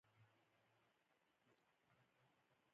جنګــــونه مونږه کـــــــــړي دي مېدان مونږه ګټلے